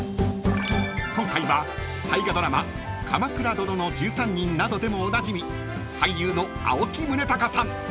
［今回は大河ドラマ『鎌倉殿の１３人』などでもおなじみ俳優の青木崇高さん］